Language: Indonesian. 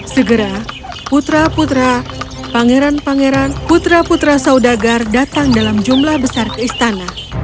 segera putra putra pangeran pangeran putra putra saudagar datang dalam jumlah besar ke istana